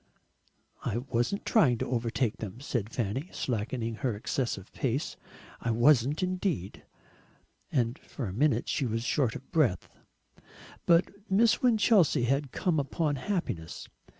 "I wasn't trying to overtake them," said Fanny, slackening her excessive pace; "I wasn't indeed." And for a minute she was short of breath. But Miss Winchelsea had come upon happiness.